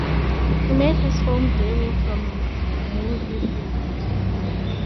He made his film debut from movie Uma.